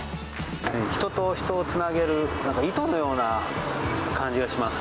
人と人をつなげる糸のような感じがします。